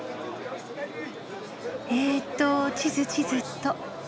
えと地図地図っと。